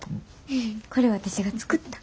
これ私が作った。